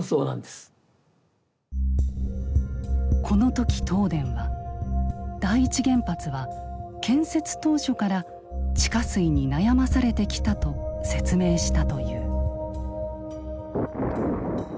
この時東電は第一原発は建設当初から地下水に悩まされてきたと説明したという。